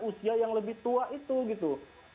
usia yang lebih tua itu gitu